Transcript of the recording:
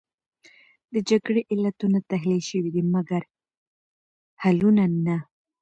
د جګړې علتونه تحلیل شوې دي، مګر حلونه نه.